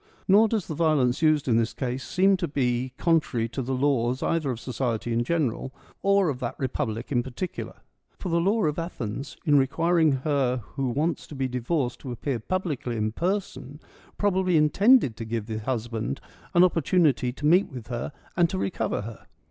Nor does the violence used in this case seem to be contrary to the laws either of society in general or of that republic in particular. For the law of Athens, in requiring her who wants to be divorced to appear publicly in person, probably intended to give the husband an opportunity to meet with her and to recover her.